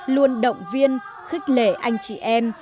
luôn động viên khích lệ anh chị em